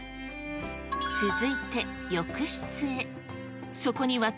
続いて、浴室へ。